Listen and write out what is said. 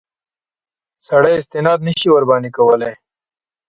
سړی استناد نه شي ورباندې کولای.